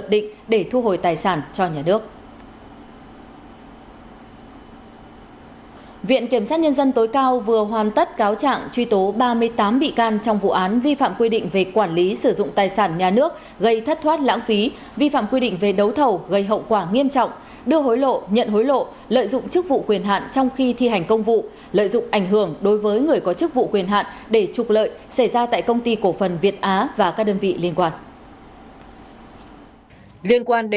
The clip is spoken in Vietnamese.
phan tất thắng phó phòng kinh tế sở kế hoạch đầu tư tp hcm vừa hoàn tất cáo trạng truy tố ba mươi tám bị can trong vụ án vi phạm quy định về quản lý sử dụng tài sản nhà nước gây thất thoát lãng phí vi phạm quy định về đấu thầu gây hậu quả nghiêm trọng đưa hối lộ nhận hối lộ lợi dụng chức vụ quyền hạn trong khi thi hành công vụ lợi dụng ảnh hưởng đối với người có chức vụ quyền hạn để trục lợi xảy ra tại công ty cổ phần việt á và các đơn vị liên quan